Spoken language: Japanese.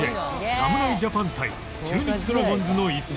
侍ジャパン対中日ドラゴンズの一戦